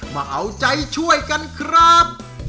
มาเอาใจช่วยกันครับ